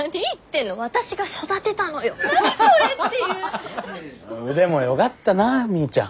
んでもよかったなみーちゃん。